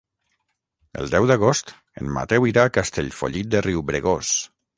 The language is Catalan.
El deu d'agost en Mateu irà a Castellfollit de Riubregós.